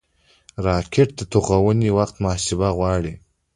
راکټ د توغونې وخت محاسبه غواړي